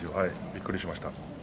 びっくりしました。